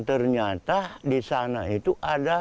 ternyata disana itu ada